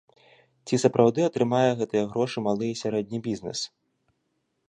Ці сапраўды атрымае гэтыя грошы малы і сярэдні бізнэс?